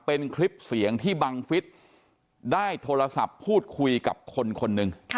เป็นคลิปเสียงที่บังฟิศได้โทรศัพท์พูดคุยกับคนคนหนึ่ง